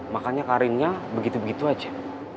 makanya karinnya begitu begitu aja